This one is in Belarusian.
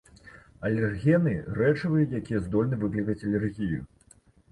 Алергены, рэчывы, якія здольны выклікаць алергію.